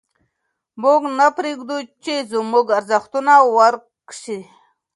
موږ نه پرېږدو چې زموږ ارزښتونه ورک سي.